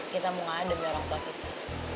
kita mau ngalah demi orang tua kita